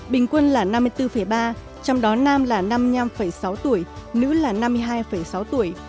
bình quân là năm mươi bốn ba trong đó nam là năm mươi năm sáu tuổi nữ là năm mươi hai sáu tuổi